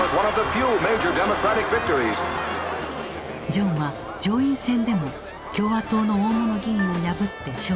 ジョンは上院選でも共和党の大物議員を破って勝利。